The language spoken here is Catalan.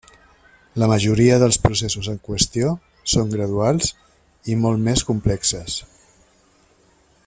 La majoria dels processos en qüestió són graduals i molt més complexes.